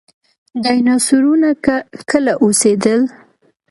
ډیناسورونه کله اوسیدل؟